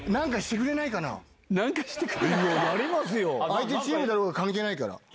相手チームだろうが関係ないから。